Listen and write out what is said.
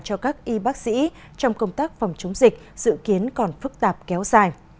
cho các y bác sĩ trong công tác phòng chống dịch dự kiến còn phức tạp kéo dài